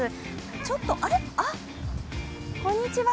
ちょっとあれ、こんにちは！